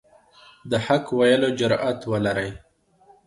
د حق ویلو جرات ولرئ.